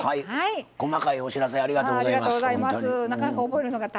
細かいお知らせありがとうございます。